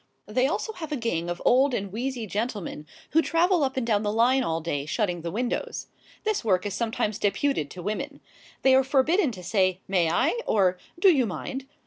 They have also a gang of old and wheezy gentlemen who travel up and down the line all day shutting the windows. This work is sometimes deputed to women. They are forbidden to say "May I?" or "Do you mind?"